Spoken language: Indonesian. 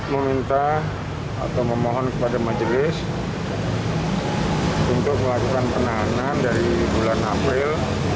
meminta atau memohon kepada majelis untuk melakukan penahanan dari bulan april